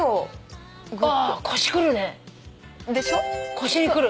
腰にくる。